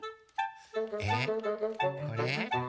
えっこれ？